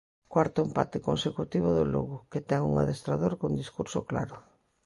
Cuarto empate consecutivo do Lugo, que ten un adestrador cun discurso claro.